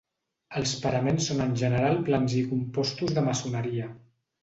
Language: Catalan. Els paraments són en general plans i compostos de maçoneria.